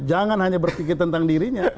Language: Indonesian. jangan hanya berpikir tentang dirinya